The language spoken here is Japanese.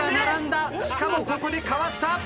しかもここでかわした。